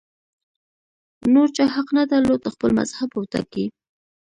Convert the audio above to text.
نور چا حق نه درلود خپل مذهب وټاکي